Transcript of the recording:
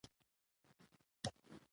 شفاف معیارونه د ارزونې مرسته کوي.